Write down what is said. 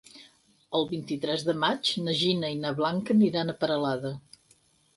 El vint-i-tres de maig na Gina i na Blanca aniran a Peralada.